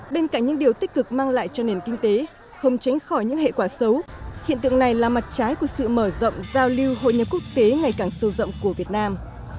bên cạnh những điều tích cực mang lại cho nền kinh tế không tránh khỏi những hệ quả xấu hiện tượng này là mặt trái của sự mở rộng giao lưu hội nhập quốc tế ngày càng sâu rộng của việt nam